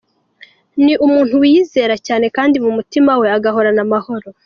Ni umuntu wiyizera cyane kandi mu mutima we agahorana amahoro.